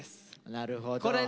なるほど。